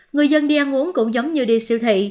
người dân đi ăn uống cũng giống như đi siêu thị